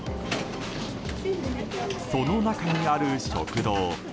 その中にある食堂。